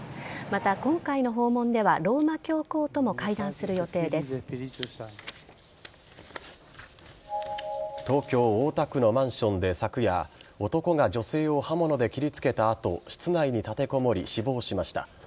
また、今回の訪問では東京・大田区のマンションで昨夜男が女性を刃物で切りつけた後室内に立てこもり、死亡しました。